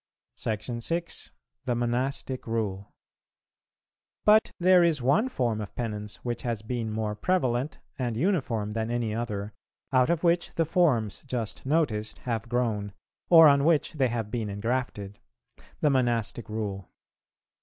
§ 6. The Monastic Rule. But there is one form of Penance which has been more prevalent and uniform than any other, out of which the forms just noticed have grown, or on which they have been engrafted, the Monastic Rule.